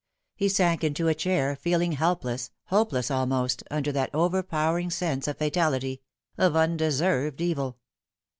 He sank into a chair, feeling helpless, hopeless almost, under that overpowering sense of fatality of undeserved evil.